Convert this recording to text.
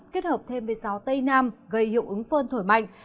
kết hợp thêm với gió tây nam gây hiệu ứng phơn thổi mạnh